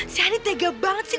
si hane tega banget sih